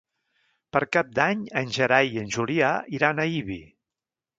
Per Cap d'Any en Gerai i en Julià iran a Ibi.